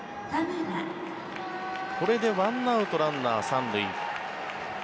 これで１アウト、ランナー３塁。